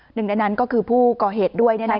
หนึ่งในนั้นก็คือผู้ก่อเหตุด้วย